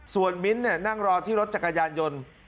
ส่วนมิ้นท์นั่งรอที่รถจักรยานยนต์